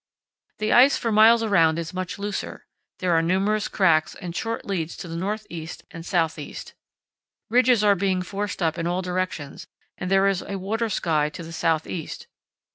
"The ice for miles around is much looser. There are numerous cracks and short leads to the north east and south east. Ridges are being forced up in all directions, and there is a water sky to the south east.